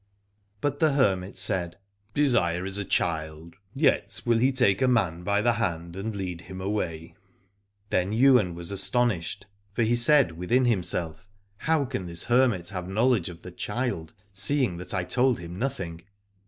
But the hermit said : Desire is a child : yet will he take a man by the hand and lead him away. Then Ywain was astonished, for he said 29 Aladore within himself, How can this hermit have knowledge of the child, seeing that I told him nothing?